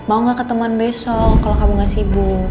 mau gak ketemuan besok kalau kamu gak sibuk